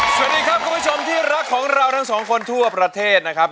สวัสดีครับคุณผู้ชมที่รักของเราทั้งสองคนทั่วประเทศนะครับ